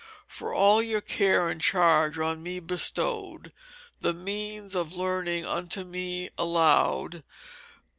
For all your Care and Charge on me bestow'd, The means of learning unto me allowed.